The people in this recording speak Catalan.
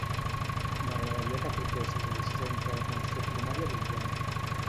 M'agradaria que truquessis al centre d'atenció primària d'Oliana.